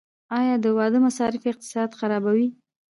آیا د واده مصارف اقتصاد خرابوي؟